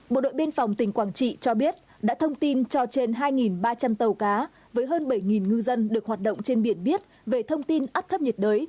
bộ đội biên phòng tỉnh quảng trị cho biết đã thông tin cho trên hai ba trăm linh tàu cá với hơn bảy ngư dân được hoạt động trên biển biết về thông tin áp thấp nhiệt đới